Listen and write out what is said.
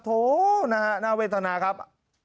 โถน่าเวทนาครับ